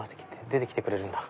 出て来てくれるんだ。